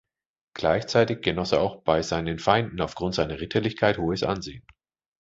Gleichzeitig genoss er auch bei seinen Feinden aufgrund seiner Ritterlichkeit hohes Ansehen.